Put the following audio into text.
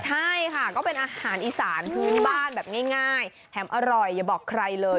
ใช่ค่ะก็เป็นอาหารอีสานพื้นบ้านแบบง่ายแถมอร่อยอย่าบอกใครเลย